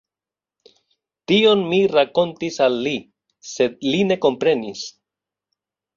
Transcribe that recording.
Tion mi rakontis al li, sed li ne komprenis.